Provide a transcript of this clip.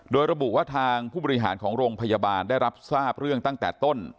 โดยระบุว่าทางผู้บริหารของโรงพยาบาลได้รับทราบเรื่องตั้งแต่ต้น